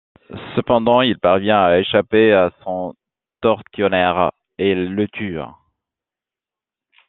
Cependant, il parvient à échapper à son tortionnaire et le tue.